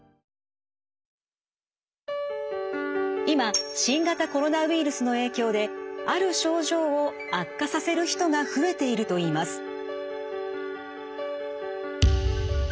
今新型コロナウイルスの影響である症状を悪化させる人が増えているといいます。